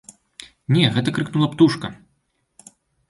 Не, гэта крыкнула птушка.